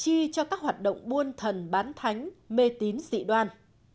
chi cho các hoạt động buôn thần bán thánh mê tín dị đoan